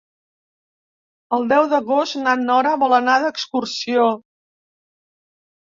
El deu d'agost na Nora vol anar d'excursió.